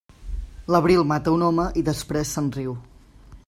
L'abril mata un home i després se'n riu.